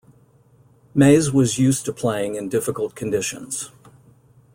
Mays was used to playing in difficult conditions.